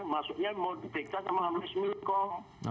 maksudnya mau dipikirkan sama amrits milko yaitu west mingdana komando